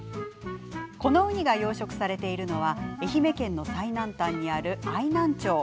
このウニが養殖されているのは愛媛県の最南端にある愛南町。